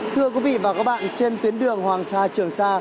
thưa quý vị và các bạn trên tuyến đường hoàng sa trường sa